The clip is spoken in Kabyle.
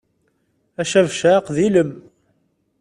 Acabcaq d ilem.